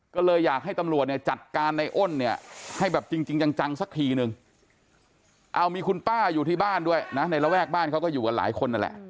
ก็เลยอยากให้ตำรวจเนี่ยจัดการในอ้นเนี่ยให้แบบจริงจังสักทีนึงเอามีคุณป้าอยู่ที่บ้านด้วยนะในระแวกบ้านเขาก็อยู่กันหลายคนนั่นแหละ